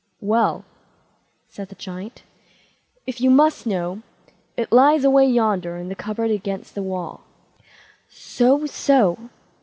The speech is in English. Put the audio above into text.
"Well", said the Giant, "if you must know, it lies away yonder in the cupboard against the wall." "So, so!"